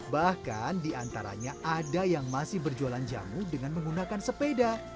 bahkan diantaranya ada yang masih berjualan jamu dengan menggunakan sepeda